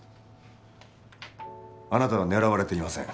あなたは狙われていません。